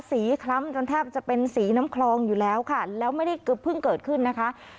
คล้ำจนแทบจะเป็นสีน้ำคลองอยู่แล้วค่ะแล้วไม่ได้เพิ่งเกิดขึ้นนะคะ